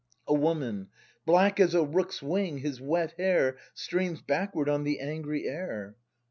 A Woman. Black as a rook's wing, his wet hair Streams backward on the angry air.